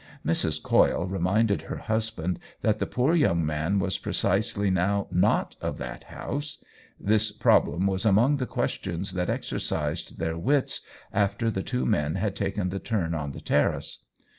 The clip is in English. Mrs. Coyle reminded her husband that the poor young man was pre cisely now not of that house ; this problem was among the questions that exercised their wits after the two men had taken the turn on the terrace.